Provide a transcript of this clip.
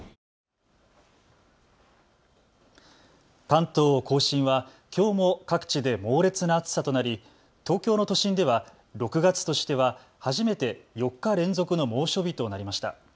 関東甲信はきょうも各地で猛烈な暑さとなり東京の都心では６月としては初めて４日連続の猛暑日となりました。